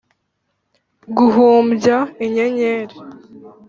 guhumbya inyenyeri